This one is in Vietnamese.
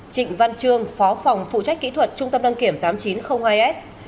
trịnh văn trương phó phòng phụ trách kỹ thuật trung tâm đăng kiểm tám nghìn chín trăm linh hai s